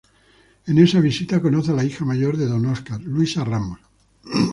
En esa visita conoce a la hija mayor de don Oscar, Luisa Ramos.